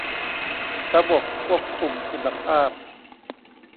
ระบบควบคุมคุณภาพ